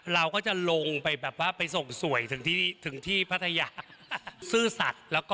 เราก็จะลงไปส่งสวยถึงที่พัทยา